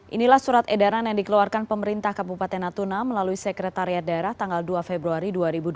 inilah surat edaran yang dikeluarkan pemerintah kabupaten natuna melalui sekretariat daerah tanggal dua februari dua ribu dua puluh